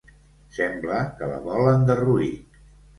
Sembla que la volen derruir.